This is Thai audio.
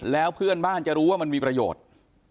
แล้วเพื่อนบ้านจะรู้ว่ามันมีประโยชน์